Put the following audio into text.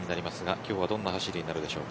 今日はどんな走りになるでしょうか。